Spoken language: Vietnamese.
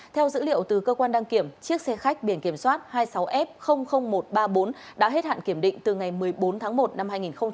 theo dữ liệu từ cơ quan đăng kiểm chiếc xe khách biển kiểm soát hai mươi sáu f một trăm ba mươi bốn đã hết hạn kiểm định từ ngày một mươi bốn tháng một năm hai nghìn hai mươi